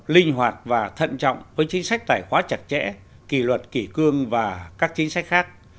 linh hoạt và thận trọng với chính sách tài khoá chặt chẽ kỳ luật kỳ cương và các chính sách khác